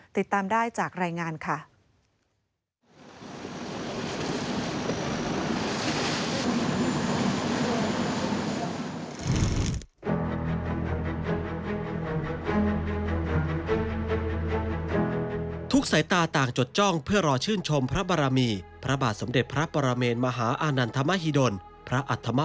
ติดตามได้จากรายงานค่ะ